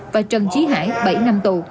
và trần chí hải bảy năm tù